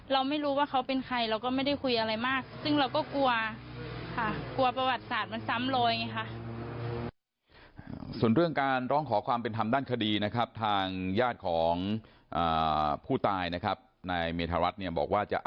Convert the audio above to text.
เราไม่รู้ว่าเขาเป็นใครเราก็ไม่ได้คุยอะไรมาก